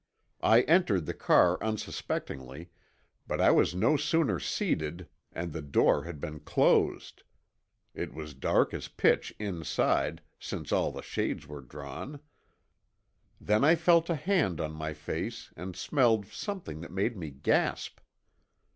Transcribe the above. I entered the car unsuspectingly, but I was no sooner seated and the door had been closed (it was dark as pitch inside, since all the shades were drawn) than I felt a hand on my face and smelled something that made me gasp.